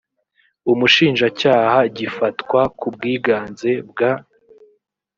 umushinjacyaha gifatwa ku bwiganze bwa